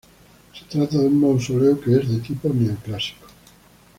Se trata de un mausoleo que es de tipo neoclásico.